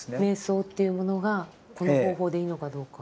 瞑想というものがこの方法でいいのかどうか？